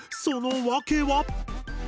その訳は？